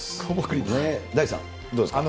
大地さん、どうですか？